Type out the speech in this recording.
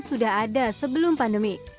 sudah ada sebelum pandemi